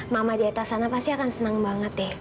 mama di atas sana pasti akan senang banget deh